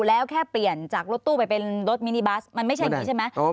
แล้วแค่เปลี่ยนจากรถตู้ไปเป็นรถมินิบัสมันไม่ใช่อย่างนี้ใช่ไหม